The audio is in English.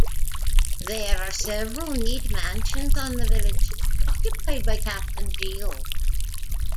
There are several neat mansions on the village, occupied by Captain Geo.